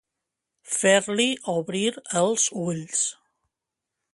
Fer-li obrir els ulls.